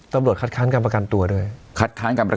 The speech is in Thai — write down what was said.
ตำรวจคัดค้างกับประการตัวด้วย